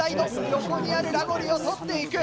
横にあるラゴリを取っていく。